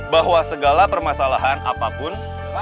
bahwa segala permasalahan apapun